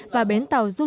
và bến tàu du lịch